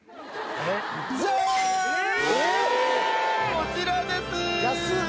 こちらです！